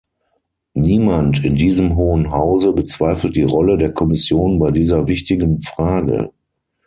Niemand in diesem Hohen Hause bezweifelt die Rolle der Kommission bei dieser wichtigen Frage.